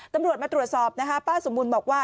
ตำรวจมาตรวจสอบนะคะป้าสมบูรณ์บอกว่า